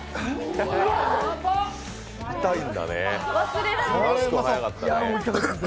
痛いんだね。